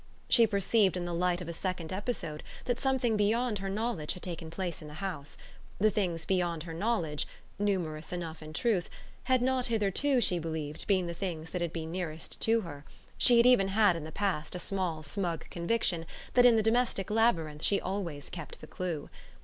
She perceived in the light of a second episode that something beyond her knowledge had taken place in the house. The things beyond her knowledge numerous enough in truth had not hitherto, she believed, been the things that had been nearest to her: she had even had in the past a small smug conviction that in the domestic labyrinth she always kept the clue.